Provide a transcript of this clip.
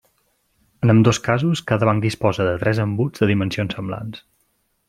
En ambdós casos cada banc disposa de tres embuts de dimensions semblants.